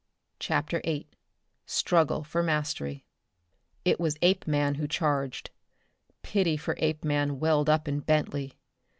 CHAPTER VIII Struggle for Mastery It was Apeman who charged. Pity for Apeman welled up in Bentley.